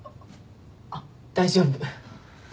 あっ大丈夫。